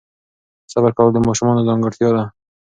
صبر کول د ماشومانو ځانګړتیا ده.